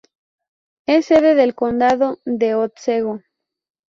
Es sede del condado de Otsego.